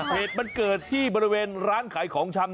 เหตุมันเกิดที่บริเวณร้านขายของชำ